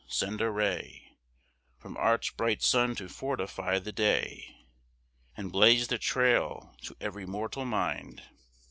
Send a ray From art's bright sun to fortify the day, And blaze the trail to every mortal mind.